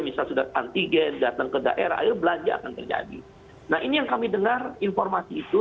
misal sudah antigen datang ke daerah belanja akan terjadi nah ini yang kami dengar informasi itu